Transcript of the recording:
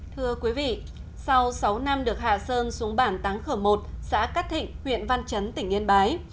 thưa quý vị sau sáu năm được hạ sơn xuống bản thắng khởm một xã cát thịnh huyện văn chấn tỉnh yên bái